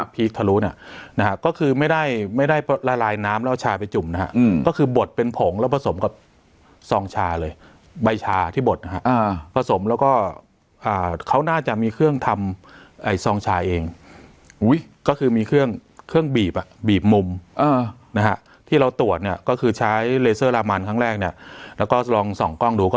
ทะลุเนี่ยนะฮะก็คือไม่ได้ไม่ได้ละลายน้ำแล้วชาไปจุ่มนะฮะก็คือบดเป็นผงแล้วผสมกับซองชาเลยใบชาที่บดนะฮะผสมแล้วก็เขาน่าจะมีเครื่องทำซองชาเองอุ้ยก็คือมีเครื่องเครื่องบีบอ่ะบีบมุมนะฮะที่เราตรวจเนี่ยก็คือใช้เลเซอร์รามันครั้งแรกเนี่ยแล้วก็ลองส่องกล้องดูก็